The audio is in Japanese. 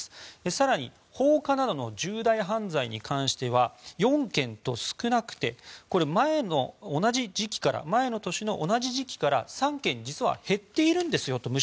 更に放火などの重大犯罪に関しては４件と少なくて前の年の同じ時期から３件むしろ実は減っているんですよと。